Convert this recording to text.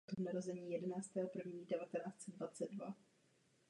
Těší mne, že ve vaší zprávě vidím podporu této iniciativě.